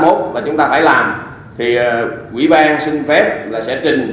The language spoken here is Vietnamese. mà chúng ta phải làm thì ủy ban xin phép là sẽ trình